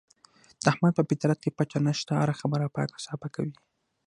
د احمد په فطرت کې پټه نشته، هره خبره پاکه صافه کوي.